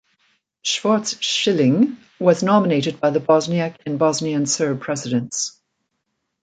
Schwarz-Schilling was nominated by the Bosniak and Bosnian Serb presidents.